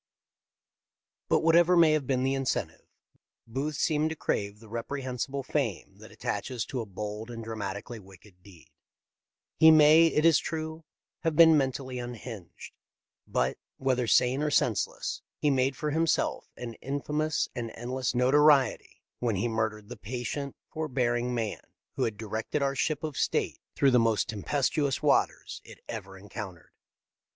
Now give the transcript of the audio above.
But whatever may have been the incentive. Booth seemed to crave the reprehensible fame that attaches to a bold and dramatically wicked deed. He may, it is true, have been mentally unhinged, but, whether sane or senseless, he made for him self an infamous and endless notoriety when he murdered the patient, forbearing man who had directed our ship of state through the most tem pestuous waters it ever encountered.